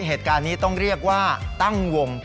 เหตุการณ์นี้ต้องเรียกว่าตั้งวง